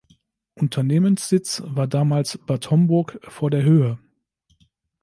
Unternehmenssitz war damals Bad Homburg vor der Höhe.